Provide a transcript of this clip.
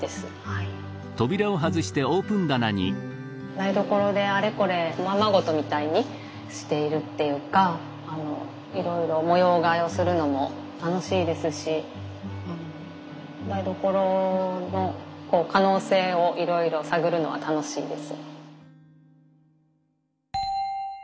台所であれこれおままごとみたいにしているっていうかいろいろ模様替えをするのも楽しいですし台所の可能性をいろいろ探るのは楽しいです。